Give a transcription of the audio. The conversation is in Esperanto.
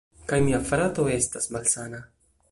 Kaj mia frato estas malsana.